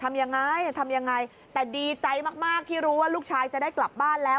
ทำยังไงทำยังไงแต่ดีใจมากมากที่รู้ว่าลูกชายจะได้กลับบ้านแล้ว